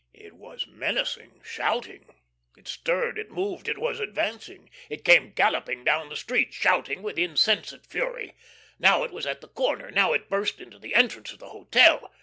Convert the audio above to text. It was menacing, shouting. It stirred, it moved, it was advancing. It came galloping down the street, shouting with insensate fury; now it was at the corner, now it burst into the entrance of the hotel.